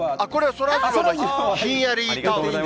そらジローのひんやりタオル。